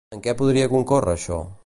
En què podria concórrer això?